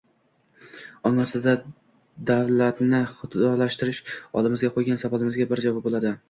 ong ostida «davlatni xudolashtirish» oldimizga qo‘ygan savolimizga bir javob bo‘ladi.